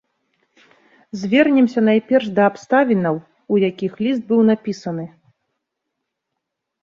Звернемся найперш да абставінаў, у якіх ліст быў напісаны.